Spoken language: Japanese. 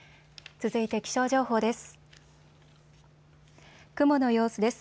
続いて気象情報です。